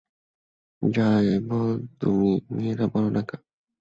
যাই বল তুমি, মেয়েরা বড়ো ন্যাকা।